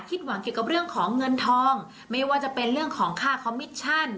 หวังเกี่ยวกับเรื่องของเงินทองไม่ว่าจะเป็นเรื่องของค่าคอมมิชชั่น